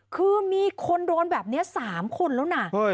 คือมีคนโดนแบบนี้๓คนแล้วนะ